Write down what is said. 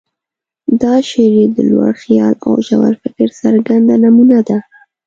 دا شعر یې د لوړ خیال او ژور فکر څرګنده نمونه ده.